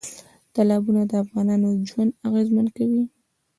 تالابونه د افغانانو ژوند اغېزمن کوي.